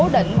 và du khách